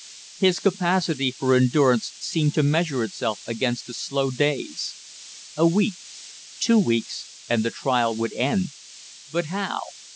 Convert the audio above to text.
His capacity for endurance seemed to measure itself against the slow days. A week two weeks and the trial would end, but how?